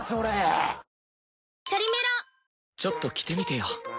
ちょっと着てみてよ！